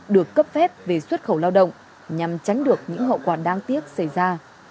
được cấp phép về xuất khẩu lao động nhằm tránh được những hậu quả đáng tiếc xảy ra